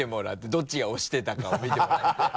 どっちが押してたかを見てもらって。